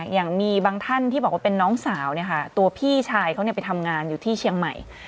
อย่างมีบางท่านที่บอกว่าเป็นน้องสาวตัวพี่ชายเขาไปทำงานอยู่ที่เชียงใหม่